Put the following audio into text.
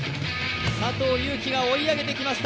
佐藤悠基が追い上げてきました